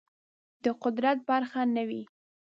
د قدرت برخه نه وي